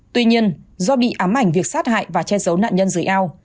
tuy nhiên do bị ám ảnh việc sát hại và che giấu nạn nhân dưới ao